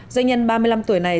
doanh nhân ba mươi năm tuổi này